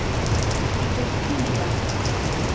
efektiva